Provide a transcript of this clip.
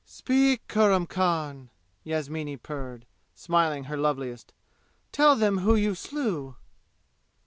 "Speak, Kurram Khan!" Yasmini purred, smiling her loveliest. "Tell them whom you slew."